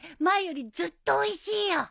前よりずっとおいしいよ。